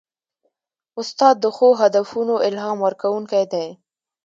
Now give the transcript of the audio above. استاد د ښو هدفونو الهام ورکوونکی دی.